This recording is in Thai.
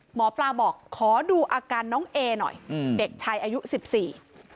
หมอปลาบอกขอดูอาการน้องเอหน่อยอืมเด็กชายอายุสิบสี่